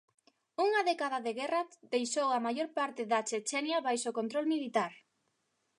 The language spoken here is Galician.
Unha década de guerra deixou a maior parte da Chechenia baixo control militar.